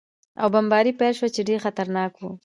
او بمبار پېل شو، چې ډېر خطرناک و.